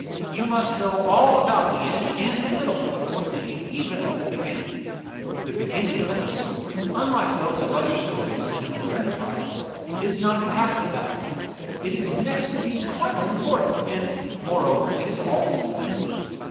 You must know all about the end and the middle before thinking, even, of the beginning ; the beginning of a riddle story, unlike those of other stories and of other enterprises, is not half the bat tle ; it is next to being quite unimportant, and, moreover, it is always easy.